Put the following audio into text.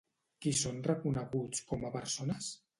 Qui són reconeguts com a persones?